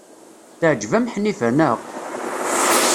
Teɛjeb-am Ḥnifa, naɣ?